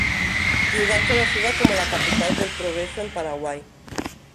Ciudad conocida como la Capital del Progreso en Paraguay.